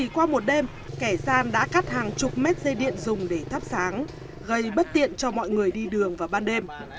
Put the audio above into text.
qua một đêm kẻ gian đã cắt hàng chục mét dây điện dùng để thắp sáng gây bất tiện cho mọi người đi đường vào ban đêm